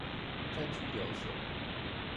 在拘留所